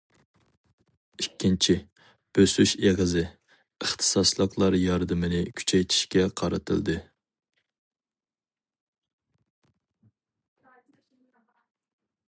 ئىككىنچى‹‹ بۆسۈش ئېغىزى›› ئىختىساسلىقلار ياردىمىنى كۈچەيتىشكە قارىتىلدى.